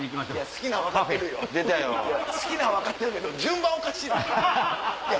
好きなん分かってるけど順番おかしない？